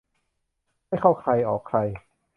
ไม่เข้าใครออกใคร